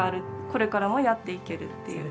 これからもやっていけるっていう。